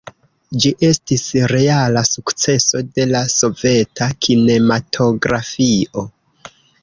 Ĝi estis reala sukceso de la soveta kinematografio.